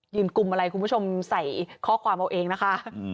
กลุ่มอะไรคุณผู้ชมใส่ข้อความเอาเองนะคะ